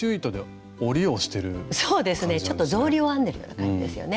ちょっと草履を編んでるような感じですよね。